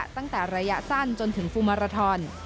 ตั้งแต่ระยะสั้นจนถึงฟูมาราทอน